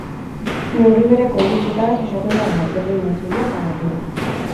Neurri bereko hiru zutabez osatuta dago: urdina, zuria eta gorria.